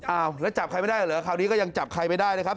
อ้าวแล้วจับใครไม่ได้เหรอคราวนี้ก็ยังจับใครไม่ได้นะครับ